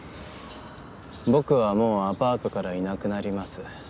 「僕はもうアパートからいなくなります。